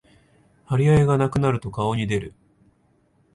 張り合いがなくなると顔に出る